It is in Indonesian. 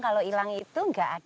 kalau hilang itu nggak ada